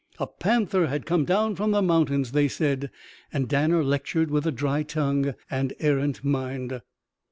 A panther had come down from the mountains, they said. And Danner lectured with a dry tongue and errant mind.